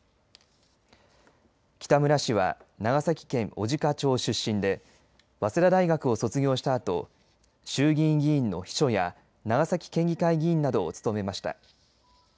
北村氏は長崎県小値賀町出身で早稲田大学を卒業したあと衆議院議員の秘書や長崎県議会議員などを務めました。